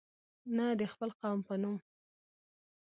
نه د خپل قوم په نوم.